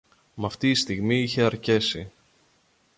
Μ' αυτή η στιγμή είχε αρκέσει.